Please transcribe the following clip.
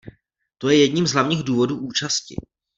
To je jedním z hlavních důvodů účasti.